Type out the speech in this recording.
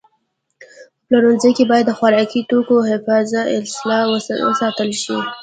په پلورنځي کې باید د خوراکي توکو حفظ الصحه وساتل شي.